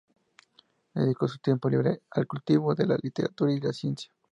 Dedicó su tiempo libre al cultivo de la literatura y la ciencia.